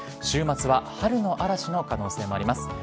週末は春の嵐の可能性もあります。